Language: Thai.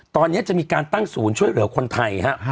ตอนนี้จะมีการตั้งศูนย์ช่วยเหลือคนไทยฮะ